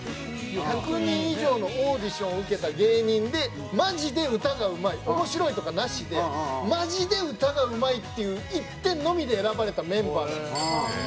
１００人以上のオーディションを受けた芸人でマジで歌がうまい面白いとかなしでマジで歌がうまいっていう一点のみで選ばれたメンバーなんですよ。